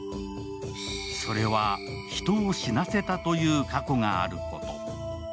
それは、人を死なせたという過去があること。